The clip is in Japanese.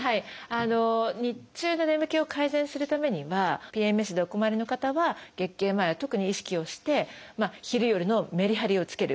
日中の眠気を改善するためにはＰＭＳでお困りの方は月経前は特に意識をして昼夜のメリハリをつける。